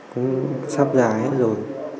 cũng sắp già hết rồi